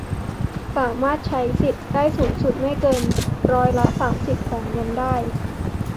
สามารถใช้สิทธิ์ได้สูงสุดไม่เกินร้อยละ สามสิบ ของเงินได้